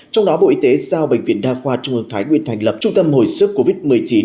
trong đó bộ y tế giao bệnh viện đa khoa trung ương thái nguyên thành lập trung tâm hồi sức covid một mươi chín